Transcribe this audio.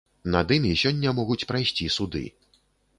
Над імі сёння могуць прайсці суды.